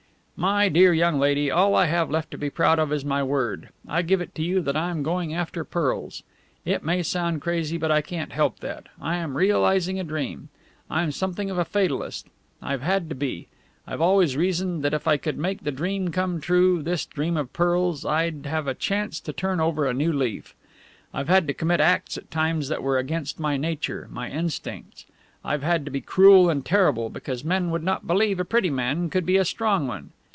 "My dear young lady, all I have left to be proud of is my word. I give it to you that I am going after pearls. It may sound crazy, but I can't help that. I am realizing a dream. I'm something of a fatalist I've had to be. I've always reasoned that if I could make the dream come true this dream of pearls I'd have a chance to turn over a new leaf. I've had to commit acts at times that were against my nature, my instincts. I've had to be cruel and terrible, because men would not believe a pretty man could be a strong one.